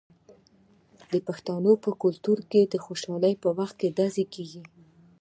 د پښتنو په کلتور کې د خوشحالۍ په وخت ډزې کیږي.